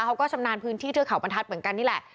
ชำนาญพื้นที่เทือกเขาบรรทัศน์เหมือนกันนี่แหละ